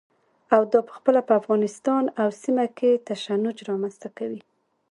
او دا پخپله په افغانستان او سیمه کې تشنج رامنځته کوي.